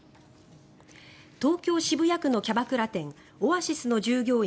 東京・渋谷区のキャバクラ店オアシスの従業員